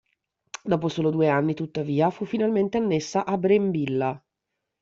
Dopo solo due anni tuttavia, fu finalmente annessa a Brembilla.